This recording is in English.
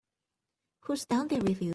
Who's down there with you?